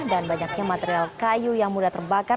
dan banyaknya material kayu yang mudah terbakar